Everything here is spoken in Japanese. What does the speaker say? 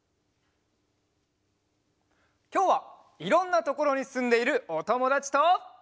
きょうはいろんなところにすんでいるおともだちと。